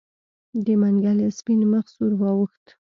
د منګلي سپين مخ سور واوښت.